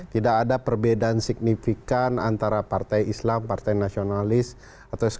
tidak ada perbedaan signifikan antara partai islam partai nasionalis atau sekarang ada partai milenial dan segala macamnya